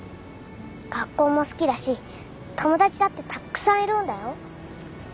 学校も好きだし友達だってたくさんいるんだよ。